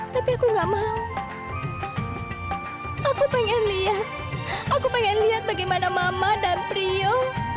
tapi aku nggak mau aku pengen lihat aku pengen lihat bagaimana mama dan prio